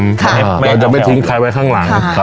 เราจะไม่ทิ้งใครไว้ข้างหลัง